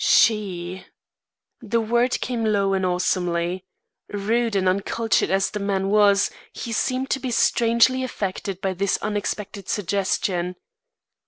"She!" The word came low and awesomely. Rude and uncultured as the man was, he seemed to be strangely affected by this unexpected suggestion.